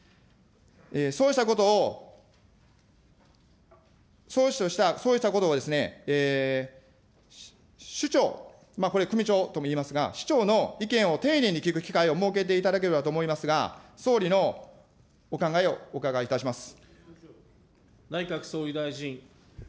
そうしたことを、そうしたことをですね、首長、これ、くびちょうともいいますが、首長の意見を丁寧に聞く機会を設けていただければと思いますが、総理のお考えをお伺いいたします。